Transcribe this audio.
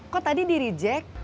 kok tadi diri jack